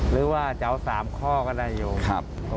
หรือว่าจะเอาสามข้อก็ได้อยู่